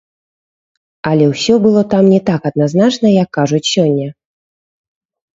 Але ўсё было там не так адназначна, як кажуць сёння.